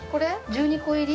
１２個入り？